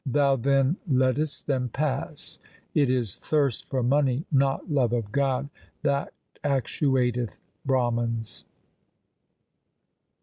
Thou then lettest them pass. It is thirst for money not love of God that actuateth Brahmans.